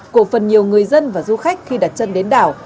của phần nhiều người dân và du khách khi đặt chân đến đảo